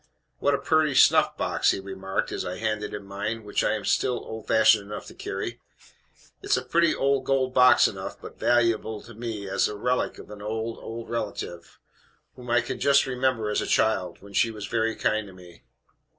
"What a pretty snuff box!" he remarked, as I handed him mine, which I am still old fashioned enough to carry. It is a pretty old gold box enough, but valuable to me especially as a relic of an old, old relative, whom I can just remember as a child, when she was very kind to me.